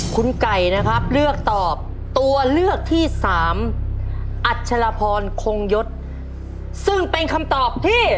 คุณไก่นะครับเลือกตอบตัวเลือกที่สามอัชรพรคงยศซึ่งเป็นคำตอบที่